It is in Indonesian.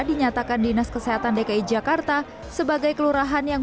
dan jurnal pembangunan pemerintah